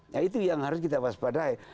nah itu yang harus kita waspadai